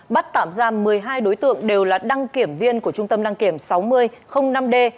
bắt tạm ra một mươi hai đối tượng đều là đăng kiểm viên của trung tâm đăng kiểm sáu mươi năm d